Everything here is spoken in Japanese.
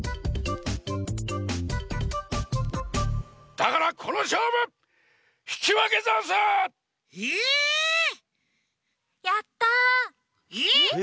だからこのしょうぶひきわけざんす！え！？やった！えっ！？